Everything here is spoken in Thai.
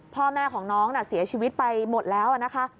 พ่อแม่ของน้องเสียชีวิตไปหมดแล้วนะคะ